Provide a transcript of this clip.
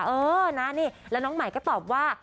เออนะนี่แล้วน้องใหม่ก็ตอบว่า